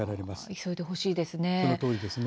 急いでほしいですね。